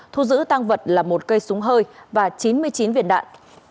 thu giữ tăng vật là một cây súng hơi và chín mươi chín viên đạn